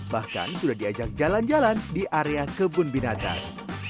bahkan sudah diajak jalan jalan di area kebun binatang